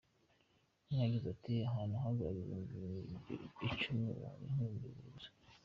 Umwe yagize ati “Ahantu haguraga ibihumbi icumi , ubu ni nk’ibihumbi bibiri gusa.